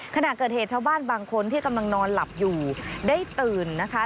ขณะเกิดเหตุชาวบ้านบางคนที่กำลังนอนหลับอยู่ได้ตื่นนะคะ